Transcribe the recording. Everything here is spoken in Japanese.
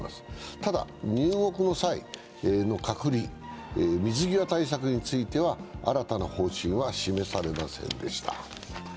ただ、入国の際の隔離、水際対策については新たな方針は示されませんでした。